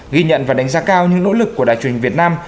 ghi nhận và đánh giá cao những nỗ lực của đài truyền hình việt nam